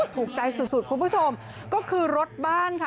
ถูกใจสุดสุดคุณผู้ชมก็คือรถบ้านค่ะ